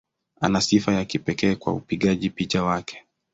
Ana sifa ya kipekee kwa upigaji picha wake.